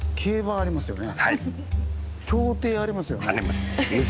あります。